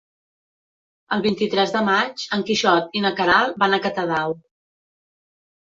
El vint-i-tres de maig en Quixot i na Queralt van a Catadau.